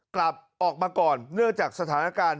กลับออกมาก่อนเนื่องจากสถานการณ์